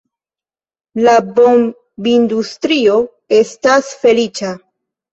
La bombindustrio estas feliĉa.